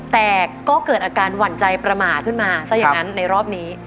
แต่ก็เกิดอาการหวั่นใจประมาทขึ้นมาซะอย่างนั้นในรอบนี้